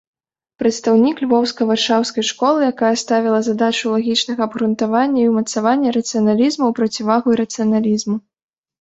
Прадстаўнік львоўска-варшаўскай школы, якая ставіла задачу лагічнага абгрунтавання і ўмацавання рацыяналізму ў процівагу ірацыяналізму.